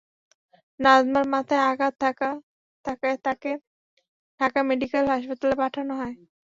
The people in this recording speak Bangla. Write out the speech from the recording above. নাজমার মাথায় আঘাত থাকায় তাঁকে ঢাকা মেডিকেল কলেজ হাসপাতালে পাঠানো হয়।